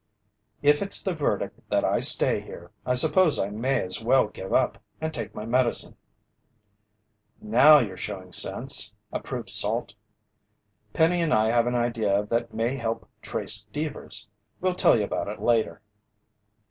"If it's the verdict that I stay here, I suppose I may as well give up and take my medicine." "Now you're showing sense," approved Salt. "Penny and I have an idea that may help trace Deevers. We'll tell you about it later."